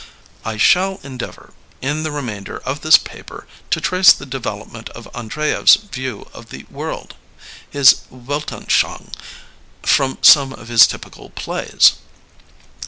I shall endeavor, in the remainder of this paper, to trace the development of Andreyev's view of the world; his Weltanschauung, from some of his typical plays.